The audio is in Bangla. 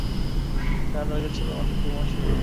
তার টার্গেট ছিল মাত্র দুই মাসের।